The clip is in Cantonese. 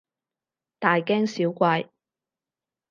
大驚小怪